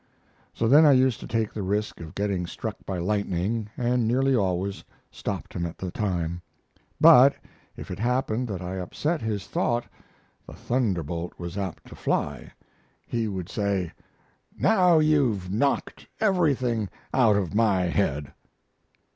So then I used to take the risk of getting struck by lightning, and nearly always stopped him at the time. But if it happened that I upset his thought the thunderbolt was apt to fly. He would say: "Now you've knocked everything out of my head."